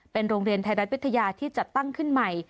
เป็นโรงเรียนไทยรัฐวิทยาที่จัดตั้งขึ้นใหม่